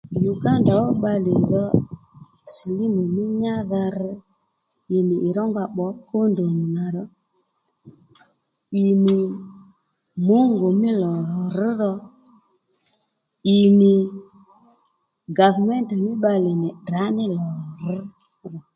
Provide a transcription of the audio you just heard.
Uganda ó bbalè dho silímù mí nyádha rr ì nì ì rónga pbǒ condom nà ro ì nì Mungu mí lò rř ro ì nì gàvméntè mí bbalè nì tdrǎ ní lò rř ro